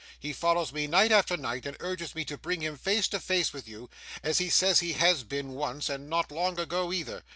He follows me, night after night, and urges me to bring him face to face with you; as he says he has been once, and not long ago either.